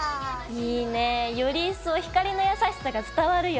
いいねより一層光の優しさが伝わるよ。